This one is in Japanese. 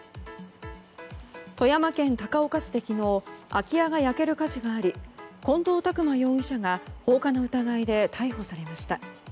富山県高岡市で昨日空き家が焼ける火事があり近藤拓馬容疑者が放火の疑いで逮捕されました。